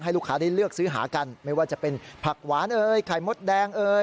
ลูกค้าได้เลือกซื้อหากันไม่ว่าจะเป็นผักหวานเอ่ยไข่มดแดงเอ่ย